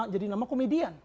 jadi nama komedian